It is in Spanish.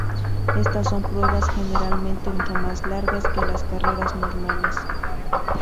Estas son pruebas generalmente mucho más largas que las carreras normales.